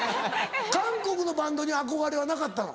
韓国のバンドに憧れはなかったの？